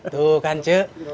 tuh kan cik